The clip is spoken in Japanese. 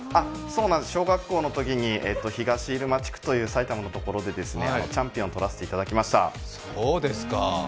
小学校のときに東入間地区という埼玉のところでチャンピオンをとらせていただきました。